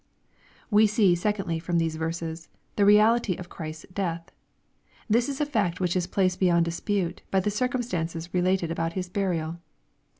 We see secondly, from these verses, thereaUty o/Ghrist^s death. This is a fact which is placed beyond dispute, by the circumstances related about His burial.